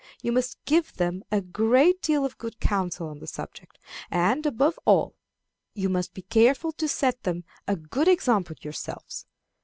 You must give them a great deal of good counsel on the subject, and, above all, you must be careful to set them a good example yourselves.